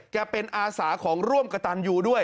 เป็นอาสาของร่วมกระตันยูด้วย